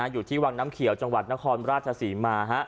อยู่ที่วังน้ำเขียวจังหวัดนครราชศรีมา